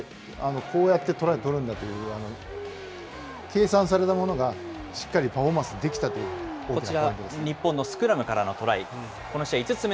こうやってトライを取るんだっていう、計算されたものが、しっかりパフォーマンスできたという感じですね。